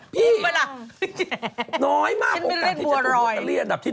พี่น้อยมากโอกาสที่จะถูกตะเลียอันดับที่๑